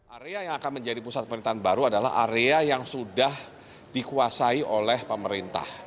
area yang akan menjadi pusat pemerintahan baru adalah area yang sudah dikuasai oleh pemerintah